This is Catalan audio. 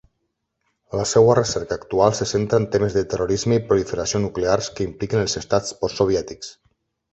La seva recerca actual se centra en temes de terrorisme i proliferació nuclears que impliquen els estats postsoviètics.